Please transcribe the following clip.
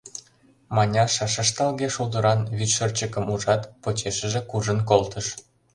Маняша шышталге шулдыран вӱдшырчыкым ужат, почешыже куржын колтыш.